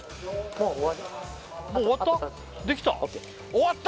もう終わった？